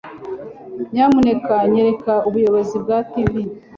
Nyamuneka nyereka Ubuyobozi bwa TV.